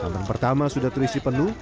kantong pertama sudah terisi penuh